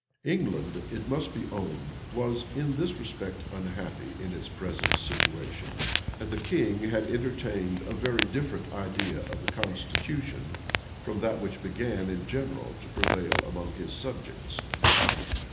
England, it must be owned, was in this respect unhappy in its present situation, that the king had entertained a very different idea of the constitution, from that which began in general to prevail among his subjects.